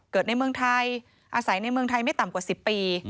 ในเมืองไทยอาศัยในเมืองไทยไม่ต่ำกว่า๑๐ปี